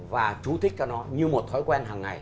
và chú thích cho nó như một thói quen hàng ngày